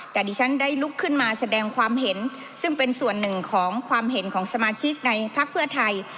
แต่ดิฉันได้ลุกขึ้นมาแสดงความเห็นซึ่งเป็นส่วนหนึ่งของความเห็นของสมาชิกในพักเพื่อไทย